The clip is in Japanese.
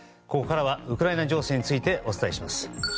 ここからはウクライナ情勢についてお伝えします。